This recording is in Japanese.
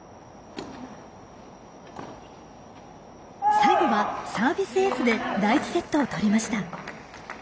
最後はサービスエースで第１セットを取りました。